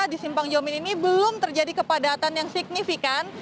di simpang jomin ini belum terjadi kepadatan yang signifikan